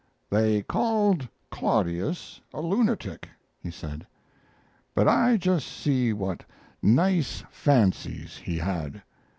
"They called Claudius a lunatic," he said, "but just see what nice fancies he had.